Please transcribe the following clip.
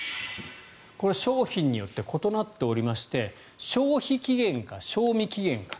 これは商品によって異なっておりまして消費期限か、賞味期限か。